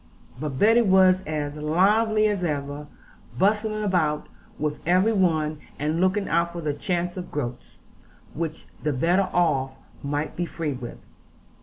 But Betty was as lively as ever, bustling about with every one, and looking out for the chance of groats, which the better off might be free with.